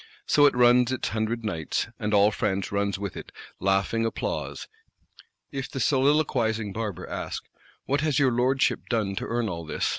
So it runs its hundred nights, and all France runs with it; laughing applause. If the soliloquising Barber ask: 'What has your Lordship done to earn all this?